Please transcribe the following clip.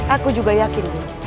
aku juga yakin guru